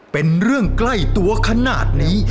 เป็นเรื่องใกล้ตัวขนาดนี้